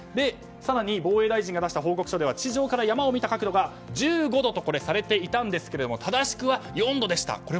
更に防衛大臣が出した報告書では地上から山を見た角度が１５度とされていたんですが正しくは４度でした。